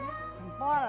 ini mbak putri